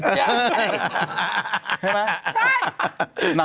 ใช่ไหม